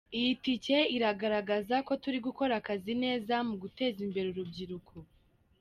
Iyi tike iragaragaza ko turi gukora akazi neza mu guteza imbere urubyiruko.